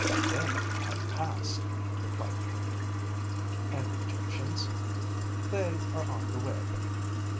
'They have passed,' replied the painter. 'And the Egyptians?' 'They are on the way.'